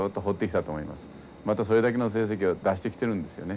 またそれだけの成績を出してきてるんですよね。